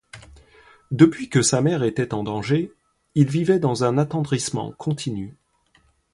Depuis que sa mère était en danger, il vivait dans un attendrissement continu.